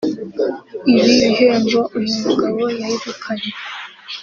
Ibi bihembo uyu mugabo yegukanye